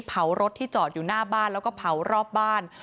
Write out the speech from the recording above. เผารถที่จอดอยู่หน้าบ้านแล้วก็เผารอบบ้าน